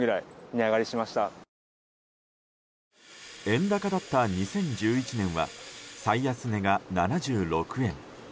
円高だった２０１１年は最安値が７６円。